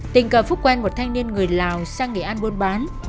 tình cờ phúc quen một thanh niên người lào sang nghỉ ăn buôn bán